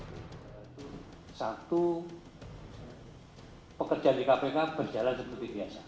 satu pekerjaan di kpk berjalan seperti biasa